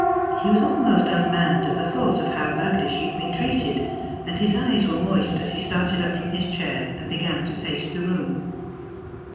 He was almost unmanned at the thought of how badly she had been treated, and his eyes were moist as he started up from his chair and began to pace the room.